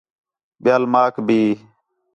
ٻِیال ماک بھی